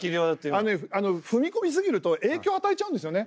あのね踏み込みすぎると影響与えちゃうんですよね。